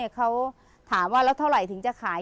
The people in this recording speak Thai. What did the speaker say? เขาถามว่าแล้วเท่าไหร่ถึงจะขาย